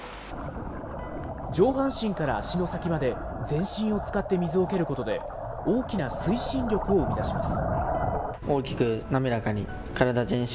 上半身から足の先まで全身を使って水を蹴ることで、大きな推進力を生み出します。